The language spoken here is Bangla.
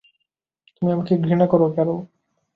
তুমি আমাকে ঘৃণা করো, ক্যারল।